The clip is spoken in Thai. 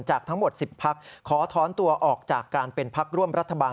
จากทั้งหมด๑๐พักขอถอนตัวออกจากการเป็นพักร่วมรัฐบาล